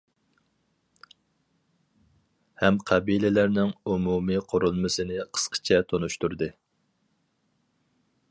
ھەم قەبىلىلەرنىڭ ئومۇمىي قۇرۇلمىسىنى قىسقىچە تونۇشتۇردى.